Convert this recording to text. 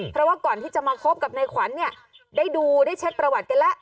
เพราะว่าก่อนที่จะมาคบกับนายขวัญเนี่ยได้ดูได้เช็คประวัติกันแล้ว